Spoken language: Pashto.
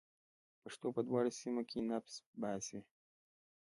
پښتو په دواړو سیمه کې نفس باسي.